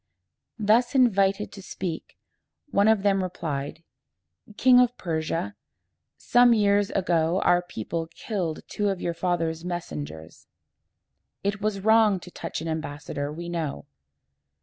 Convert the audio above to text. Thus invited to speak, one of them replied, "King of Persia, some years ago our people killed two of your father's messengers. It was wrong to touch an ambassador, we know.